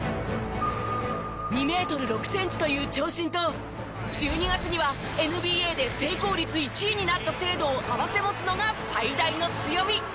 ２メートル６センチという長身と１２月にはＮＢＡで成功率１位になった精度を併せ持つのが最大の強み。